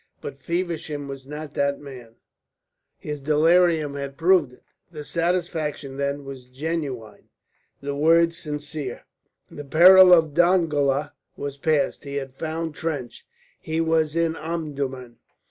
But Feversham was not that man; his delirium had proved it. The satisfaction, then, was genuine, the words sincere. The peril of Dongola was past, he had found Trench, he was in Omdurman.